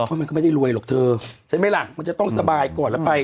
เพราะมันก็ไม่ได้รวยหรอกเธอใช่ไหมล่ะมันจะต้องสบายก่อนแล้วไป